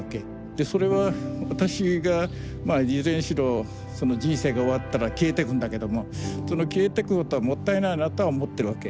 でそれは私がいずれにしろ人生が終わったら消えてくんだけども消えてくことはもったいないなとは思ってるわけ。